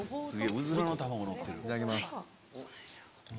うずらの卵のってる。